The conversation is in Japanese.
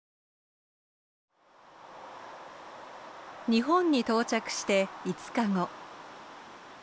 日本に到着して５日後。